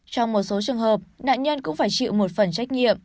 trong một số trường hợp nạn nhân cũng phải chịu một phần trách nhiệm